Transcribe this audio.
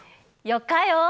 よかよー。